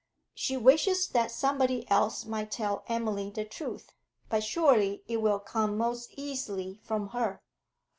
She wishes that somebody else might tell Emily the truth; but surely it will come most easily from her.'